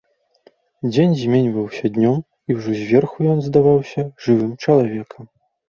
Дзень зменьваўся днём, і ўжо зверху ён здаваўся жывым чалавекам.